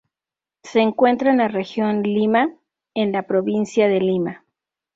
Se encuentra en la región Lima, en la provincia de Lima.